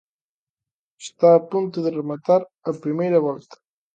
Está a punto de rematar a primeira volta.